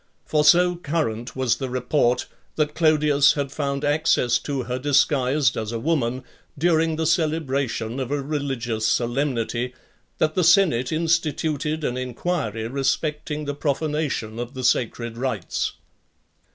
For so current was the report, that Clodius had found access to her disguised as a woman, during the celebration of a religious solemnity , that the senate instituted an enquiry respecting the profanation of the sacred rites.